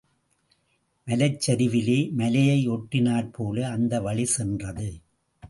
மலைச்சரிவிலே மலையை ஒட்டினாற்போல அந்த வழி சென்றது.